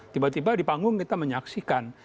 tiba tiba di panggung kita menyaksikan